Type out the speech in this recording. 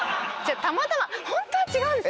たまたまホントに違うんです。